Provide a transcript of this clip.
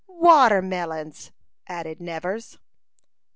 "Watermelons!" added Nevers.